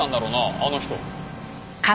あの人。